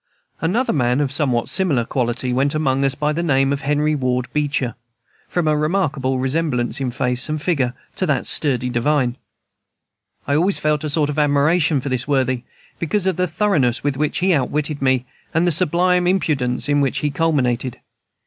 Another man of somewhat similar quality went among us by the name of Henry Ward Beecher, from a remarkable resemblance in face and figure to that sturdy divine. I always felt a sort of admiration for this worthy, because of the thoroughness with which he outwitted me, and the sublime impudence in which he culminated.